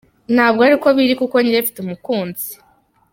Ntabwo ariko biri kuko njyewe mfte umukunzi .